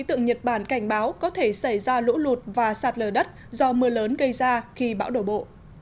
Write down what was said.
tượng nhật bản cảnh báo có thể xảy ra lũ lụt và sạt lở đất do mưa lớn gây ra khi bão đổ bộ